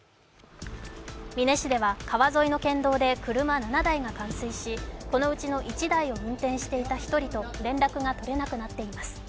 美祢市では川沿いの県道で車７台が冠水し、このうちの１台を運転していた１人と連絡が取れなくなっています。